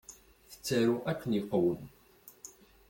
Tettaru akken iqwem.